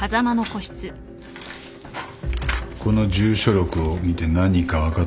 この住所録を見て何か分かったことは？